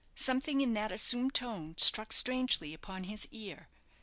Something in that assumed tone struck strangely upon his ear.